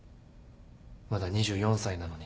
まだ２４歳なのに。